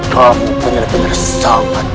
kamu benar benar sangat